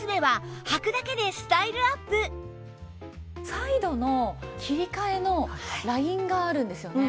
サイドの切り替えのラインがあるんですよね。